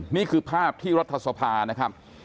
นี่คือภาพที่รัฐสภานะครับ